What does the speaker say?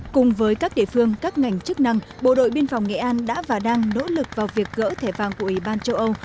cùng với các địa phương các ngành chức năng bộ đội biên phòng nghệ an đã và đang nỗ lực vào việc gỡ thẻ vàng của ủy ban châu âu